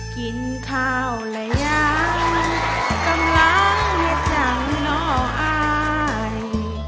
กินข้าวและย้ำต้องล้างให้จังเนาะอาย